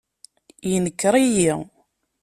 Inker-iyi.